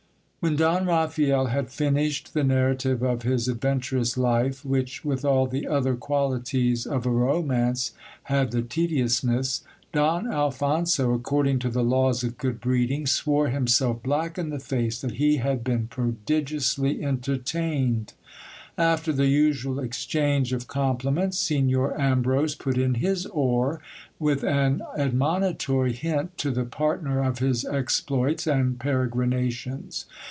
WHEN Don Raphael had finished the narrative of his adventurous life, which, with all the other qualities of a romance, had the tediousness, Don Alphonso, according to the laws of good breeding, swore himself black in the face that ADVENTURES IN THE WOOD. 209 he had been prodigiously entertained. After the usual exchange of compli ments, Signor Ambrose put in his oar, with an admonitory hint to the partner of his exploits and peregrinations.